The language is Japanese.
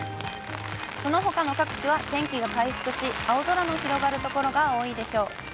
そのほかの各地は天気が回復し、青空の広がる所が多いでしょう。